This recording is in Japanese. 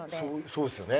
そうですよね。